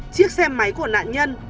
chiếc xe máy của nạn nhân